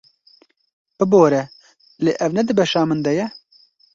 Bibore lê ev ne di beşa min de ye?